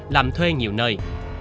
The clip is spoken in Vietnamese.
làm thuê nhiều nơi